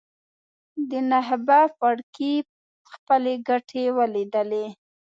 د نخبه پاړکي خپلې ګټې ولیدلې.